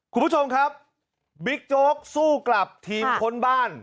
คุณผู้ชมครับบิ๊กโจ๊กสู้กลับทีมค้นบ้าน